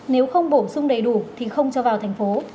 nếu không bổ sung đầy đủ thì không cho vào tp cn